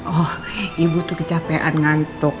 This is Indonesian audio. oh ibu tuh kecapean ngantuk